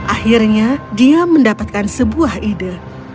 akhirnya dia mendapatkan sebuah ide